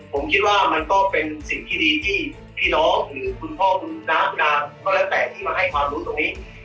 ผมคิดว่ามันก็เป็นสิ่งที่ดีที่พี่น้องหรือคุณพ่อคุณน้าคุณดาก็แล้วแต่ที่มาให้ความรู้ตรงนี้